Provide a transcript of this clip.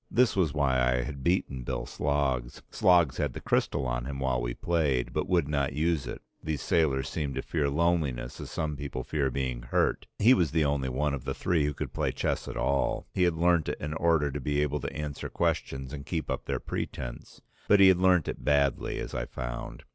This was why I had beaten Bill Sloggs; Sloggs had the crystal on him while we played, but would not use it; these sailors seemed to fear loneliness as some people fear being hurt; he was the only one of the three who could play chess at all, he had learnt it in order to be able to answer questions and keep up their pretence, but he had learnt it badly, as I found.